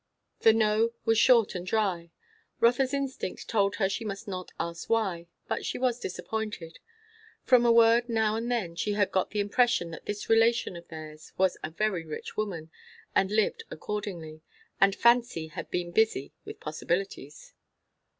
The "no" was short and dry. Rotha's instinct told her she must not ask why, but she was disappointed. From a word now and then she had got the impression that this relation of theirs was a very rich woman and lived accordingly; and fancy had been busy with possibilities.